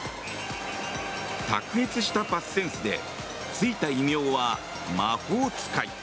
卓越したパスセンスでついた異名は魔法使い。